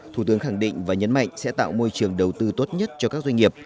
thủ tướng khẳng định và nhấn mạnh sẽ tạo môi trường đầu tư tốt nhất cho các doanh nghiệp